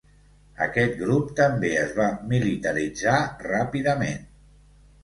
Aquest grup també es va militaritzar ràpidament.